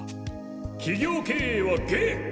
企業経営はゲーム！